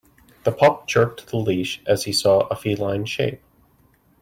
The pup jerked the leash as he saw a feline shape.